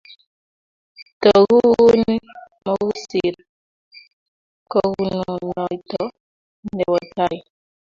togu kuuni mokusir kakonunoito ne bo tai